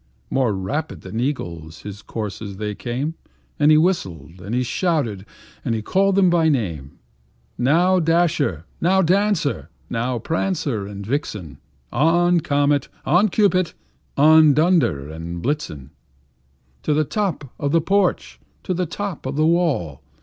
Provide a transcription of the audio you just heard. More rapid than eagles his coursers they came, And he whistled, and shouted, and called them by name; "Now, Dasher! now, Dancer! now, Prancer and Vixen! On! Comet, on! Cupid, on! Dunder and Blitzen To the top of the porch, to the top of the wall!